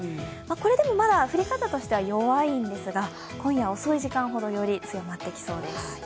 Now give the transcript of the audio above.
これでも、まだ降り方としては弱いんですが今夜遅い時間ほど、より強まってきそうです。